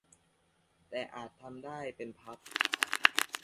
แต่อาจทำได้เป็นพัก